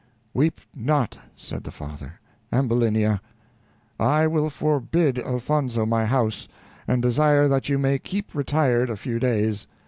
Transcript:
"Weep not," said the father, "Ambulinia. I will forbid Elfonzo my house, and desire that you may keep retired a few days.